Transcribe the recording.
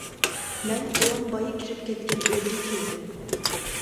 مەن بوۋام بايا كىرىپ كەتكەن ئۆيگە كىردىم.